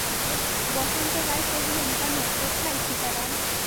বসন্ত রায় কহিলেন, কেন, কোথায় সীতারাম?